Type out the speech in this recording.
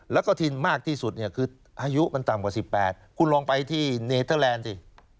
แล้วก็ที่มากที่สุดเนี่ยคืออายุมันต่ำกว่า๑๘คุณลองไปที่เนเทอร์แลนด์สิ